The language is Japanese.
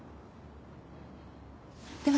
では